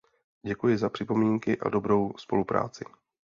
Děkuji za připomínky a dobrou spolupráci.